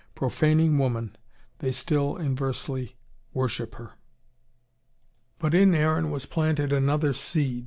Profaning woman, they still inversely worship her. But in Aaron was planted another seed.